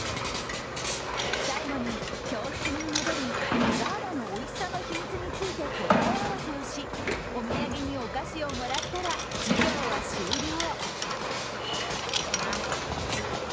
最後に教室に戻りガーナのおいしさの秘密について答え合わせをしお土産にお菓子をもらったら授業は終了。